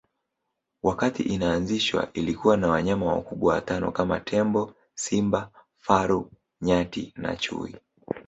Wakati inaanzishwa ilikuwa na wanyama wakubwa watano kama tembo simba faru nyati na chui